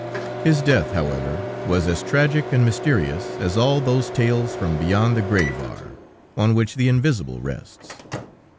His death, however, was as tragic and mysterious as all those tales from beyond the grave are, on which the Invisible rests."